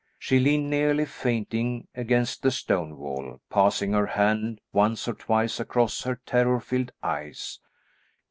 She leaned, nearly fainting, against the stone wall, passing her hand once or twice across her terror filled eyes.